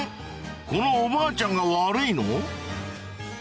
このおばあちゃんが悪いの？